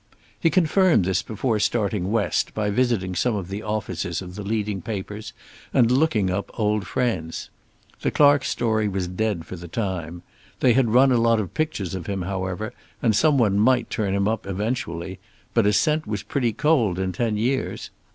He confirmed this before starting West by visiting some of the offices of the leading papers and looking up old friends. The Clark story was dead for the time. They had run a lot of pictures of him, however, and some one might turn him up eventually, but a scent was pretty cold in ten years.